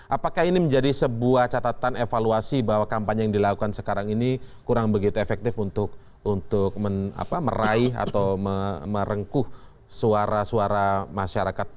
apakah ini menjadi sebuah catatan evaluasi bahwa kampanye yang dilakukan sekarang ini kurang begitu efektif untuk meraih atau merengkuh suara suara masyarakat